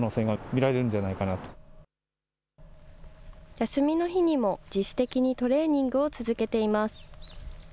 休みの日にも自主的にトレーニングを続けています。